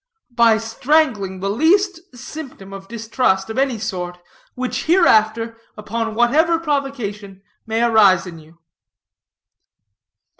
"By strangling the least symptom of distrust, of any sort, which hereafter, upon whatever provocation, may arise in you."